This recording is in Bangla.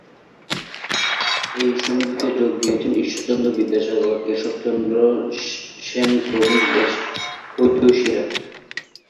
এই সমিতিতে যোগ দিয়েছিলেন ঈশ্বরচন্দ্র বিদ্যাসাগর, কেশবচন্দ্র সেন প্রমুখ দেশ হিতৈষীরা।